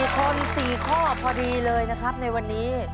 ๔คน๔ข้อพอดีเลยนะครับในวันนี้